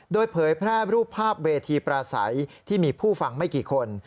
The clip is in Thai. โดยเผยแพร่รูปภาพเวทีปราศัยที่มีผู้ฟังไม่กี่คน